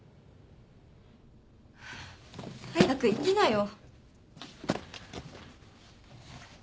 早く行きなよ。